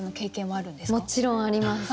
もちろんあります。